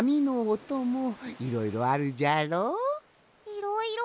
いろいろ？